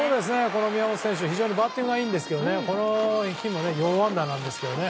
宮本選手、非常にバッティングがいいんですがこの日も４安打なんですけどね。